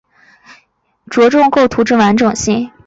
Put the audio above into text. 着重构图之完整性